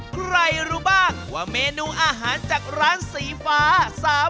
ใครรู้บ้างว่าเมนูอาหารจากร้านสีฟ้า